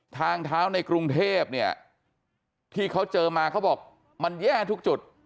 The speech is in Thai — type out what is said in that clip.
ทางเท้าในกรุงเทพเนี่ยที่เขาเจอมาเขาบอกมันแย่ทุกจุด